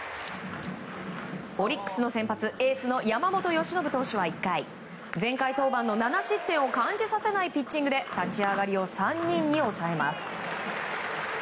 オリックスの先発エースの山本由伸投手は１回前回登板の７失点を感じさせないピッチングで立ち上がりを３人に抑えます。